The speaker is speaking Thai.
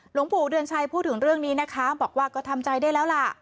หลวงปู่เดือนชัยพูดถึงเรื่องนี้นะคะบอกว่าก็ทำใจได้แล้วล่ะ